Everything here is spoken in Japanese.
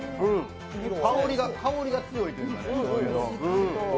香りが強いというかね。